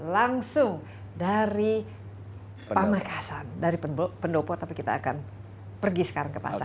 langsung dari pamekasan dari pendopo tapi kita akan pergi sekarang ke pasar